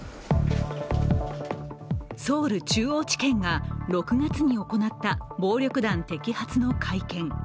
ソウル中央地検が６月に行った暴力団摘発の会見。